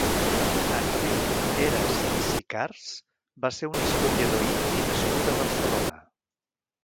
Enric Heras i Sicars va ser un historiador indi nascut a Barcelona.